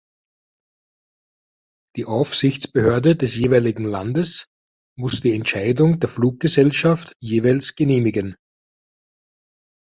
Die Aufsichtsbehörde des jeweiligen Landes muss die Entscheidung der Fluggesellschaft jeweils genehmigen.